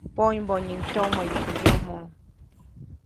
Ponybonyiʼuŋ tyoʼmäyu teʼ yomo.